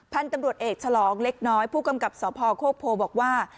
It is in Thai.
พันธุ์ตำรวจเอกฉลองเล็กน้อยผู้กำกับสพโคกโพบอกว่า